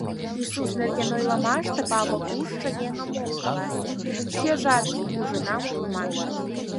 Иисус нерген ойлымаште Павыл ужшо еҥым ок каласе, шкежат ужынам ок ман.